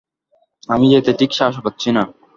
আমি যেতে ঠিক সাহস পাচ্ছি না।